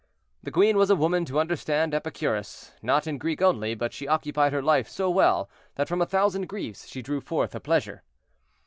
The queen was a woman to understand Epicurus, not in Greek only, but she occupied her life so well that from a thousand griefs she drew forth a pleasure.